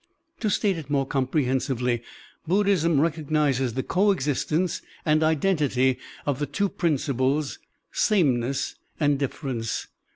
To state it more comprehensively. Buddhism recognizes the coexistence and identity of the two principles, sameness and difference.